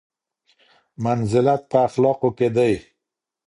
منزلت په اخلاقو کې دی.